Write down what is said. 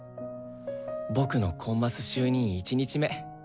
僕のコンマス就任１日目。